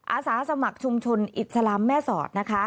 อาสาสมัครชุมชนอิจสลำแม่สอด